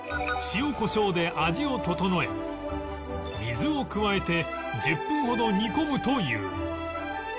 塩コショウで味を調え水を加えて１０分ほど煮込むという